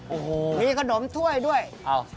โอ้โหมีขนมถ้วยด้วย